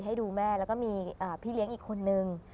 ให้ดูแม่แล้วก็มีพี่เลี้ยงอีกคนนึง